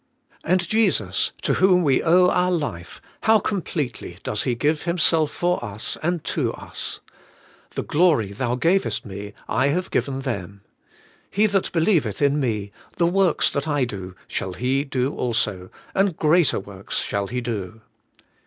And Jesus, to whom we owe our life, how completely does He give Himself for us and to us: 'The glory Thou gavest me, I have given them;' 'He that believeth in me, the works that I do shall he do also; and greater works shall he do.'